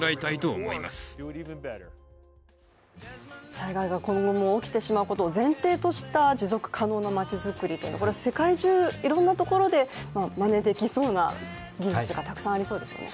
災害が今後も起きてしまうことを前提とした持続可能な町作り、これは世界中、いろんなところでまねできそうな技術がたくさんありそうですね